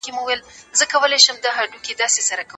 موږ باید د هېچا ړوند تقلید ونه کړو.